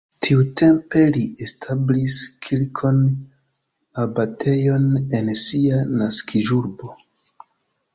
Tiutempe li establis kirkon, abatejon en sia naskiĝurbo.